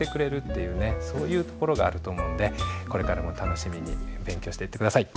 そういうところがあると思うんでこれからも楽しみに勉強していって下さい。